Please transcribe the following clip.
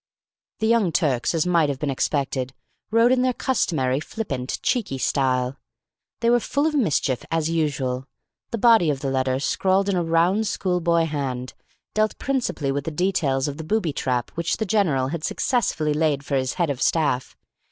The Young Turks, as might have been expected, wrote in their customary flippant, cheeky style. They were full of mischief, as usual. The body of the letter, scrawled in a round, schoolboy hand, dealt principally with the details of the booby trap which the general had successfully laid for his head of staff.